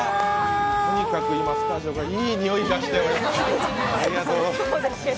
とにかく今、スタジオがいい匂いがしています。